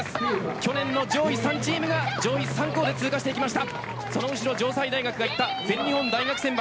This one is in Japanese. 去年の上位３チームが上位３校が通過していきました。